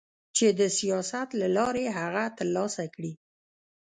چي د سياست له لارې هغه څه ترلاسه کړي